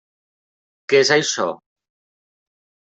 Què és això?